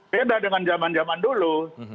beda dengan zaman zaman dulu